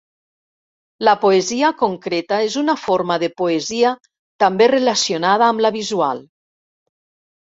La poesia concreta és una forma de poesia també relacionada amb la visual.